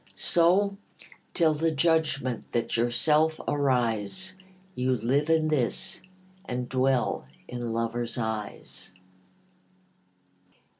So, till the judgment that yourself arise, You live in this, and dwell in lover's eyes.